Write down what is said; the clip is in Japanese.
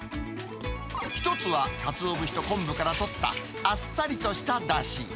１つはかつお節と昆布からとったあっさりとしただし。